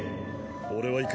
俺は行く。